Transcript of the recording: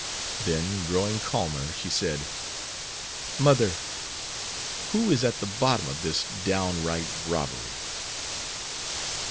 Then growing calmer, she said, "Mother, who is at the bottom of this downright robbery?"